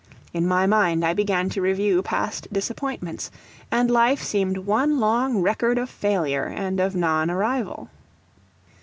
In my mind I began to review past disappointments, and life seemed one long record of failure and of non arrival.